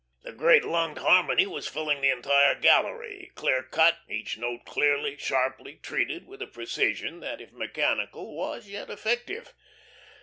The great lunged harmony was filling the entire gallery, clear cut, each note clearly, sharply treated with a precision that, if mechanical, was yet effective.